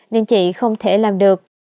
nên chị không thể làm được